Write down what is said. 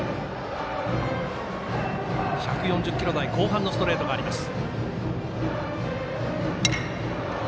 １４０キロ台後半のストレートがあります。